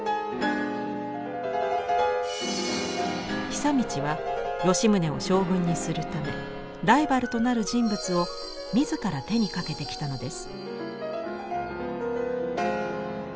久通は吉宗を将軍にするためライバルとなる人物を自ら手にかけてきたのです。